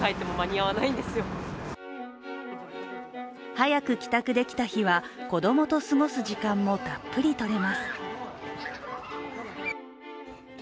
早く帰宅できた日は子供と過ごす時間もたっぷりとれます。